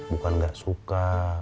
bukan gak suka